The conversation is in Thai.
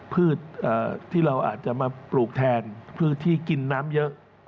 พืชที่เราอาจจะมาปลูกแทนพืชที่กินน้ำเยอะ